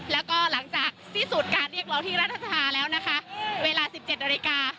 แล้วก็หลังจากสิ้นสูตรการเรียกร้องที่รัฐธรรมนูนค่ะเวลาสิบเจ็ดนาฬิกา